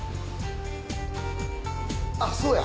あっそうや。